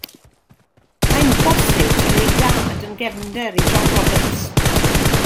Mae'n bosib fod ei dad yn gefnder i John Roberts.